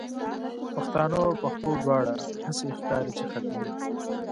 پښتانه او پښتو دواړه، هسی ښکاری چی ختمیږی